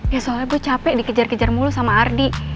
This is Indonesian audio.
ya soalnya gue capek dikejar kejar mulu sama ardi